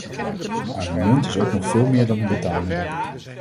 Maar een munt is ook nog veel meer dan een betaalmiddel.